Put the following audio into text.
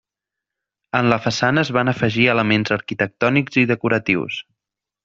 En la façana es van afegir elements arquitectònics i decoratius.